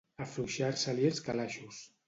Afluixar-se-li els calaixos.